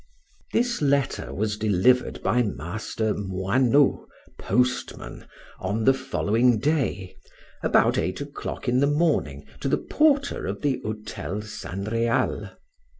This letter was delivered by Master Moinot, postman, on the following day, about eight o'clock in the morning, to the porter of the Hotel San Real.